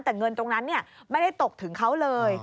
แต่เงินตรงนั้นไม่ได้ตกถึงเขาเลย